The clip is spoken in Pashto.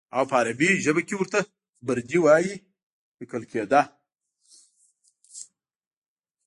او په عربي کې ورته بردي وایي لیکل کېده.